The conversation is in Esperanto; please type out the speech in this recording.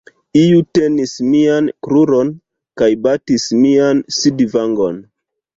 Iu tenis mian kruron kaj batis mian sidvangon.